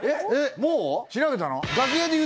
もう調べたの？